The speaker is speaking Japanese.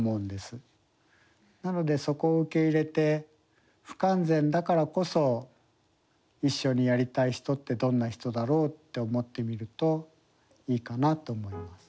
なのでそこを受け入れて不完全だからこそ一緒にやりたい人ってどんな人だろうって思ってみるといいかなと思います。